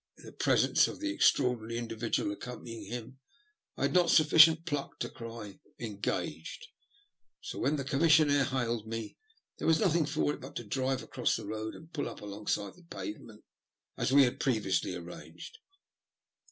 In the presence of the extraordinary individual accompanying him I had not sufficient pluck to cry "engaged"; so, whenthe commissionaire hailed me, there was nothing for it but to drive across the road and pull up alongside the pavement, as we had previously arranged.